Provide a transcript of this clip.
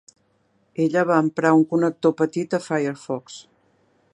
Ella va emprar un connector petit a Firefox.